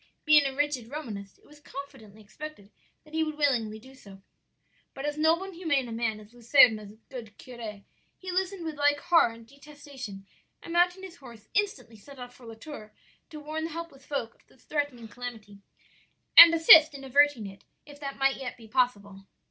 Being a rigid Romanist it was confidently expected that he would willingly do so. "But as noble and humane a man as Luserna's good curé, he listened with like horror and detestation, and mounting his horse, instantly set off for La Tour to warn the helpless folk of the threatened calamity, and assist in averting it, if that might yet be possible.